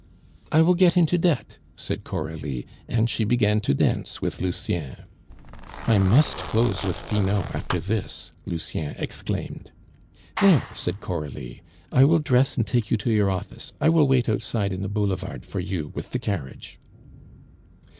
"I will get into debt," said Coralie. And she began to dance with Lucien. "I must close with Finot after this," Lucien exclaimed. "There!" said Coralie, "I will dress and take you to your office. I will wait outside in the boulevard for you with the carriage."